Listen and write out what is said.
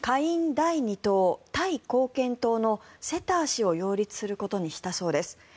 第２党タイ貢献党のセター氏を擁立することにしたそうです。